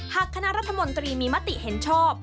คณะรัฐมนตรีมีมติเห็นชอบ